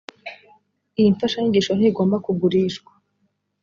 iyi mfashanyigisho ntigomba kugurishwa